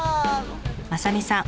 雅美さん